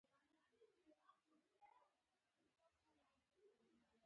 اسلام د خلکو د یووالي لامل وګرځېد.